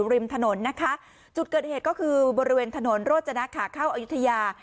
ริมถนนนะคะจุดเกิดเหตุก็คือบริเวณถนนโรจนะขาเข้าอายุทยา